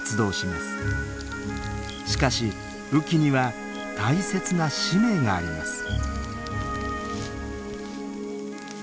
しかし雨季には大切な使命があります。